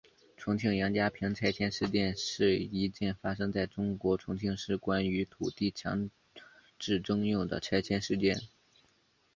重庆杨家坪拆迁事件是一件发生在中国重庆市关于土地强制征用的拆迁事件。